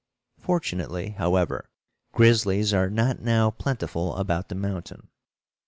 Fortunately, however, grizzlies are not now plentiful about the mountain.